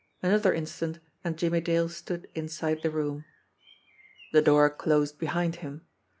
Another in stant and Jimmie Dale stood inside the room. The door closed behind him.